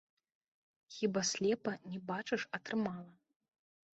Хіба слепа, не бачыш, атрымала.